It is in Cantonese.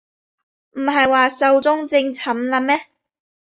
唔係話壽終正寢喇咩